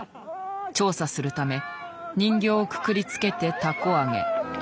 調査するため人形をくくりつけて凧揚げ。